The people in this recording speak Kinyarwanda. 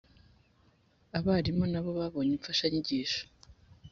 abarimu na bo babonye imfashanyigisho